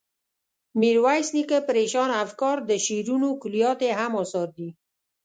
میرویس نیکه، پریشانه افکار، د شعرونو کلیات یې هم اثار دي.